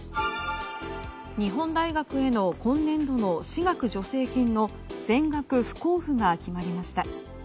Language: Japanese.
日本大学への今年度の私学助成金の全額不交付が決まりました。